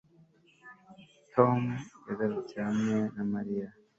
tom yagarutse hamwe na mariya